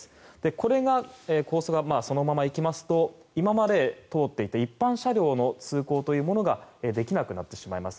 このコースがそのまま行きますと今まで通っていた一般車両の通行ができなくなってしまいます。